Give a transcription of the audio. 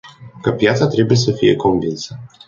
Că piața trebuie să fie convinsă.